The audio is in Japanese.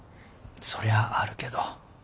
そりゃあるけど。